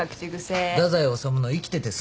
太宰治の「生きててすみません」